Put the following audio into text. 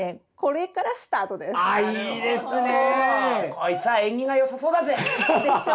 こいつは縁起が良さそうだぜ！でしょう？